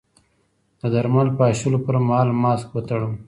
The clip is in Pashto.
د درمل پاشلو پر مهال ماسک وتړم؟